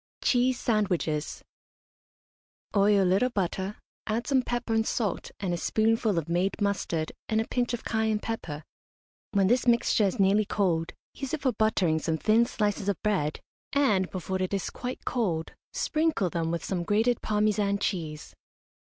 CHEESE SANDWICHES. Oil a little butter, add some pepper and salt, and a spoonful of made mustard and a pinch of cayenne pepper. When this mixture is nearly cold, use it for buttering some thin slices of bread, and, before it is quite cold, sprinkle them with some grated Parmesan cheese.